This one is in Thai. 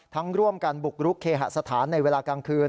ร่วมกันบุกรุกเคหสถานในเวลากลางคืน